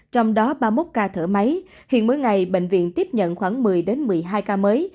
trong đó ba mươi một ca thở máy hiện mỗi ngày bệnh viện tiếp nhận khoảng một mươi một mươi hai ca mới